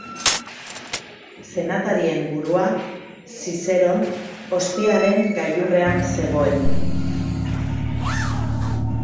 Senatarien burua, Zizeron, ospearen gailurrean zegoen.